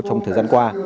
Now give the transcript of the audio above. trong thời gian qua